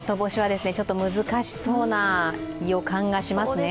明日、外干しはちょっと難しそうな予感がしますね。